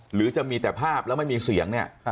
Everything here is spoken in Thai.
หรือจะมีแต่ภาพแล้วไม่มีเสียงเนี่ย